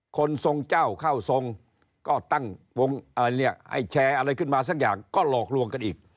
ทรงเจ้าเข้าทรงก็ตั้งวงไอ้แชร์อะไรขึ้นมาสักอย่างก็หลอกลวงกันอีก